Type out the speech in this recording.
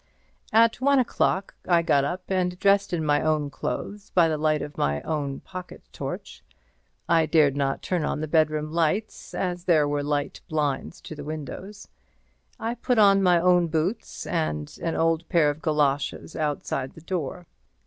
At one o'clock I got up and dressed in my own clothes by the light of my own pocket torch. I dared not turn on the bedroom lights, as there were light blinds to the windows. I put on my own boots and an old pair of galoshes outside the door.